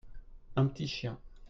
un petit chien.